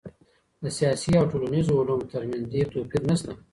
د سیاسي او ټولنیزو علومو ترمنځ ډېر توپیر نسته.